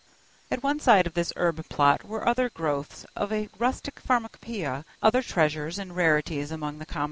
At one side of this herb plot were other growths of a rustic pharmacopoeia, great treasures and rarities among the commoner herbs.